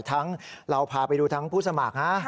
เราพาไปดูทั้งผู้สมัครนะ